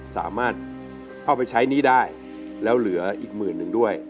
สามารถเอาไปใช้หนี้ได้แล้วเหลืออีกหมื่นหนึ่งด้วย